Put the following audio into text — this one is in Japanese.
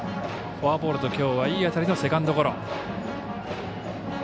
フォアボールときょうはいい当たりのセカンドゴロ。